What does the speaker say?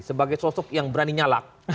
sebagai sosok yang berani nyalak